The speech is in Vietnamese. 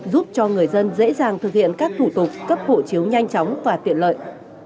giúp cho người dân dễ dàng thực hiện các thủ tục cấp hộ chiếu nhanh chóng và tiện lợi